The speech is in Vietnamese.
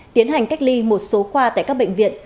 tiến hành cách ly một số khoa tại các bệnh viện